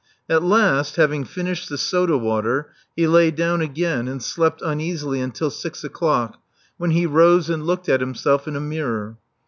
At last, having finished the soda water, he lay down again, and slept uneasily until six o'clock, when he rose and looked at himself in a mirror.